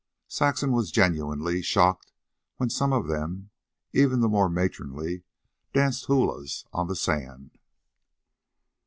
Saxon was genuinely shocked when some of them, even the more matronly, danced hulas on the sand.